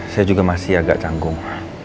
saya juga masih agak canggung